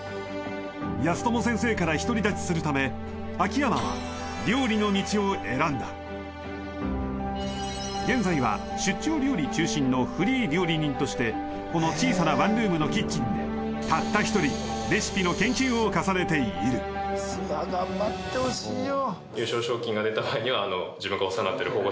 安友先生から独り立ちするため秋山は料理の道を選んだ現在は出張料理中心のフリー料理人としてこの小さなワンルームのキッチンでたった一人レシピの研究を重ねている頑張ってほしいよ